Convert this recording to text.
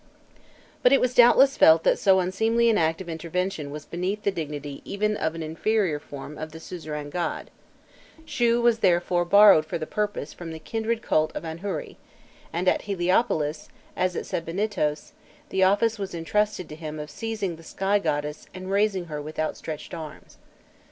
_ But it was doubtless felt that so unseemly an act of intervention was beneath the dignity even of an inferior form of the suzerain god; Shû was therefore borrowed for the purpose from the kindred cult of Anhûri, and at Heliopolis, as at Sebennytos, the office was entrusted to him of seizing the sky goddess and raising her with outstretched arms.